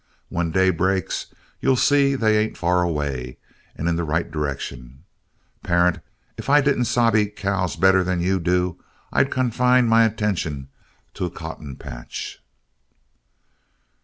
When day breaks, you'll see they ain't far away, and in the right direction. Parent, if I didn't sabe cows better than you do, I'd confine my attention to a cotton patch."